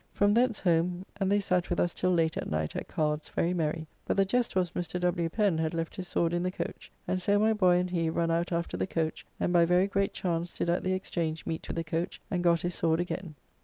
From thence home, and they sat with us till late at night at cards very merry, but the jest was Mr. W. Pen had left his sword in the coach, and so my boy and he run out after the coach, and by very great chance did at the Exchange meet with the coach and got his sword again.